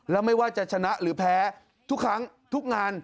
แล้วไม่ว่าจะชนะหรือแพ้ทุกครั้งทุกงาน